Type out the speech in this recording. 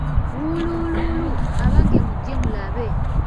Wuulululuuu, abange mugye mulabe,